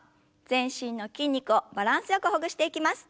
全身の筋肉をバランスよくほぐしていきます。